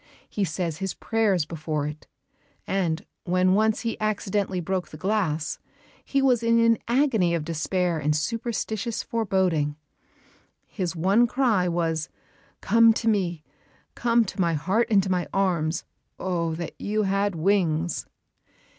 He says his prayers before it; and, when once he accidentally broke the glass, he was in an agony of despair and superstitious foreboding. His one cry was, "Come to me! Come to my heart and to my arms. Oh, that you had wings!"